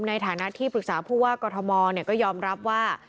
ในฐานะที่ปรึกษาผู้ว่ากอทมก็ยอมรับว่า